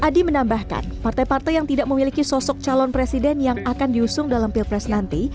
adi menambahkan partai partai yang tidak memiliki sosok calon presiden yang akan diusung dalam pilpres nanti